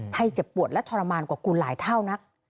ให้เจ็บปวดและทรมานกว่ากูหลายเท่านัก